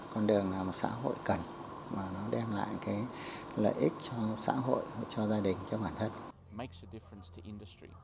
con đường là một xã hội cần mà nó đem lại cái lợi ích cho xã hội cho gia đình cho bản thân